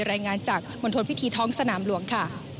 รายงานจากมณฑลพิธีท้องสนามหลวงค่ะ